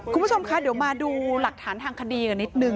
คุณผู้ชมคะเดี๋ยวมาดูหลักฐานทางคดีกันนิดนึง